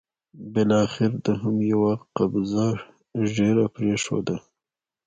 بالاخره ده هم یوه قبضه ږیره پرېښوده.